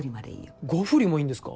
５振りもいいんですか？